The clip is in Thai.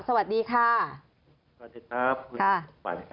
สวัสดีครับ